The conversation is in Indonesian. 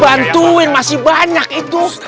bantuin masih banyak itu